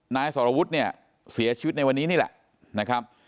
นายสรวุฒิเสียชีวิตในวันนี้นี่แหละ